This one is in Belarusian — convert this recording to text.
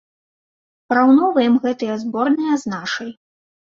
Параўноўваем гэтыя зборныя з нашай.